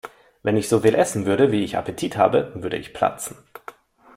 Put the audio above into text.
Wenn ich so viel essen würde, wie ich Appetit habe, würde ich platzen.